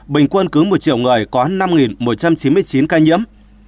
bình quân cứ một triệu người có năm một trăm chín mươi chín ca nhiễm